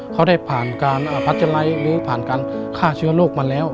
เขาได้ผ่านการพัชไลท์หรือผ่านการฆ่าเชื้อโรคมาแล้ว